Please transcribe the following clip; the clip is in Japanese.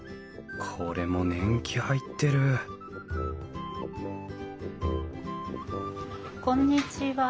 これも年季入ってるこんにちは。